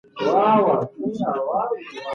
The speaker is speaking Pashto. که مو روژه نه وه، نو خوراک وکړئ.